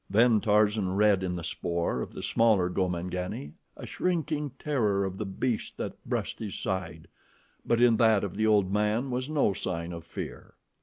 Then Tarzan read in the spoor of the smaller Gomangani a shrinking terror of the beast that brushed his side, but in that of the old man was no sign of fear.